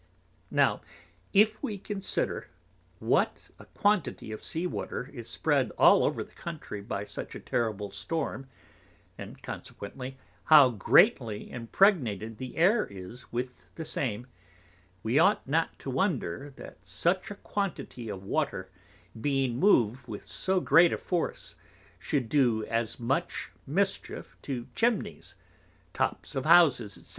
Now, if we consider, what a quantity of Sea water is spread all over the Country by such a terrible Storm, and consequently, how greatly impregnated the Air is with the same; we ought not to wonder, that such a quantity of Water, being moved with so great a force, should do so much mischief to Chimneys, tops of Houses, _&c.